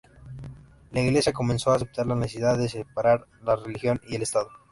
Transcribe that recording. La Iglesia comenzó a aceptar la necesidad de separar la religión y el estado.